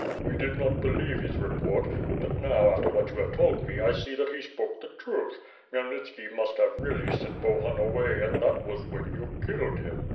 We did not believe his report; but now. after what you have told me, I see that he spoke the truth. Khmyelnitski must have really sent Bohun away and that was when you killed him."